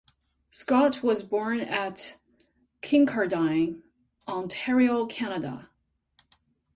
Scott was born at Kincardine, Ontario, Canada.